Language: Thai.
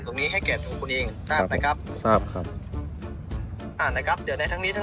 เจอตัวจริงเหรอพี่